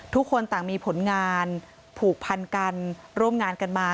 ทุกคนต่างมีผลงานผูกพันกันร่วมงานกันมา